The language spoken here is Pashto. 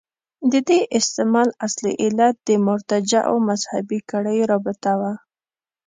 د دې استعمال اصلي علت د مرتجعو مذهبي کړیو رابطه وه.